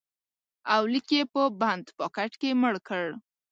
اولیک یې په بند پاکټ کې مړ کړ